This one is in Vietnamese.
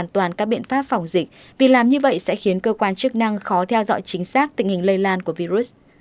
thì làm như vậy sẽ khiến cơ quan chức năng khó theo dõi chính xác tình hình lây lan của virus